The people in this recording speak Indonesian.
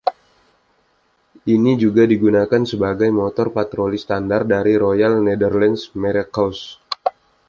Ini juga digunakan sebagai motor patroli standar dari Royal Netherlands Marechaussee.